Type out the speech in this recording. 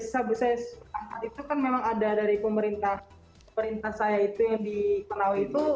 sebesar itu kan memang ada dari pemerintah pemerintah saya itu yang dikenal itu